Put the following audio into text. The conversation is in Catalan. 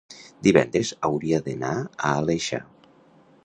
divendres hauria d'anar a l'Aleixar.